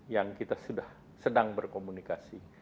yang kita sudah sedang berkomunikasi